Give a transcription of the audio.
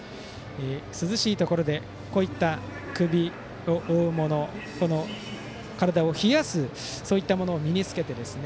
涼しいところでこういった首を覆うもの体を冷やすそういったものを身に着けて。